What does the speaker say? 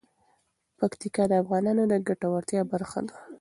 پکتیکا د افغانانو د ګټورتیا برخه ده.